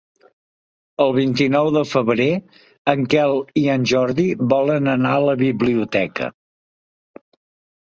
El vint-i-nou de febrer en Quel i en Jordi volen anar a la biblioteca.